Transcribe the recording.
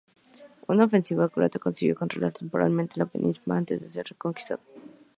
Una ofensiva croata consiguió controlar temporalmente la península antes de ser reconquistada.